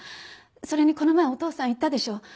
それにこの前お父さん言ったでしょ？